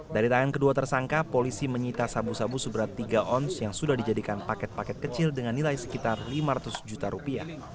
dari tangan kedua tersangka polisi menyita sabu sabu seberat tiga ons yang sudah dijadikan paket paket kecil dengan nilai sekitar lima ratus juta rupiah